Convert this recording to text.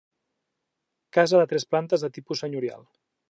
Casa de tres plantes de tipus senyorial.